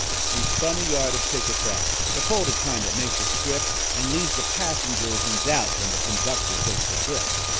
He spun a yard of tickets out The folded kind that makes a strip And leaves the passenger in doubt When the conductor takes a clip.